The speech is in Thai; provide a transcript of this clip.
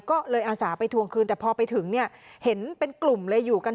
ก็เลยอาสาไปทวงคืนแต่พอไปถึงเนี่ยเห็นเป็นกลุ่มเลยอยู่กัน